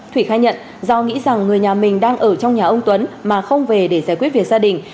thủy khai nhận do nghĩ rằng người nhà mình đang ở trong nhà ông tuấn mà không về để giải quyết việc gia đình